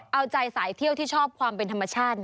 เอาใจสายเที่ยวที่ชอบความเป็นธรรมชาติ